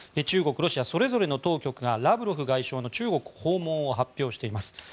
中国、ロシアそれぞれの当局がラブロフ外相の中国訪問を発表しています。